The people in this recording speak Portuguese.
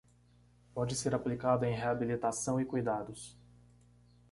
Pode ser aplicado em reabilitação e cuidados